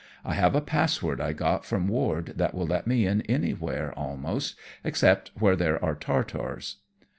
I have a password I got from Ward that will let me in anywhere almost, except where there are Tartars."